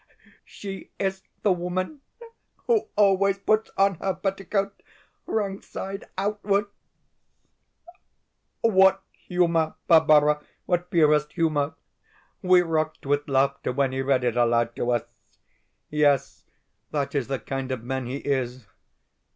She is the woman who always puts on her petticoat wrong side outwards." What humour, Barbara what purest humour! We rocked with laughter when he read it aloud to us. Yes, that is the kind of man he is.